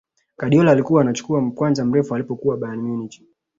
guardiola alikuwa anachukua mkwanja mrefu alipokuwa bayern munich